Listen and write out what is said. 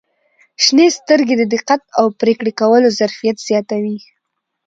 • شنې سترګې د دقت او پرېکړې کولو ظرفیت زیاتوي.